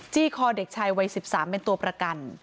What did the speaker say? คอเด็กชายวัย๑๓เป็นตัวประกัน